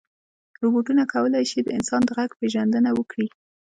روبوټونه کولی شي د انسان د غږ پېژندنه وکړي.